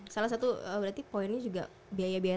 salah satu berarti poinnya juga biaya biaya tambahan ya ya